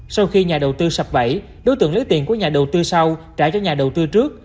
sau khi nhà đầu tư sập bẫy đối tượng lấy tiền của nhà đầu tư sau trả cho nhà đầu tư trước